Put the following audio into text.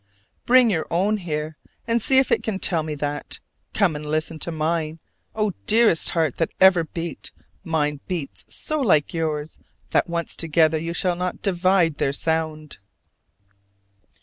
Bring your own here, and see if it can tell me that! Come and listen to mine! Oh, dearest heart that ever beat, mine beats so like yours that once together you shall not divide their sound!